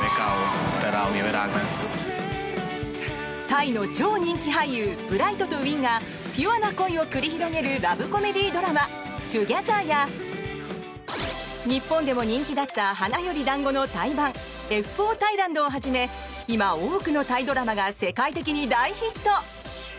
タイの超人気俳優ブライトとウィンがピュアな恋を繰り広げるラブコメディードラマ「２ｇｅｔｈｅｒ」や日本でも人気だった「花より男子」のタイ版「Ｆ４Ｔｈａｉｌａｎｄ」をはじめ今、多くのタイドラマが世界的に大ヒット。